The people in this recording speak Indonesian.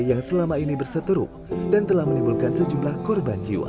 yang selama ini berseterup dan telah menimbulkan sejumlah korban jiwa